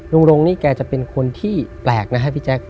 รงนี่แกจะเป็นคนที่แปลกนะฮะพี่แจ๊ค